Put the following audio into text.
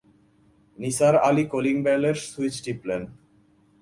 নিসার আলি কলিংবেলের সুইচ টিপলেন।